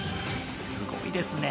すごいですね！